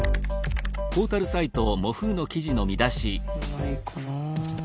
ないかな。